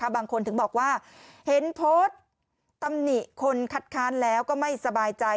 บางคนถึงบอกว่าเห็นโพสต์ตำหนิคนคัดค้านแล้วก็ไม่สบายใจ